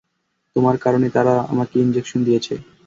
তোমার কারণে তারা আমাকে ইঞ্জেকশন দিয়েছে।